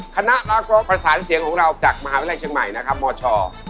คณะรักร้องประสานเสียงของเราจากมหาวิทยาลัยเชียงใหม่นะครับมช